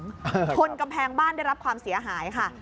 ชนกำแพงบ้านได้รับความเสียหายค่ะ